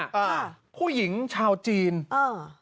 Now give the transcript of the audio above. ค่ะผู้หญิงชาวจีนเออ